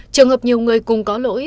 trường hợp nhiều người cùng có lỗi